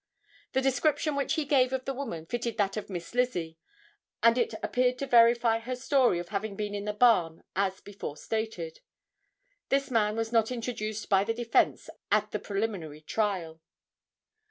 The description which he gave of the woman fitted that of Miss Lizzie and it appeared to verify her story of having been in the barn as before stated. This man was not introduced by the defense at the preliminary trial.